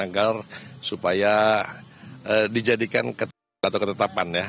agar supaya dijadikan ketentangan